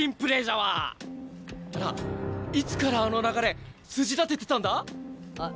なあいつからあの流れ筋立ててたんだ？